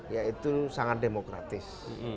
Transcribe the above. yaitu sangat demokratis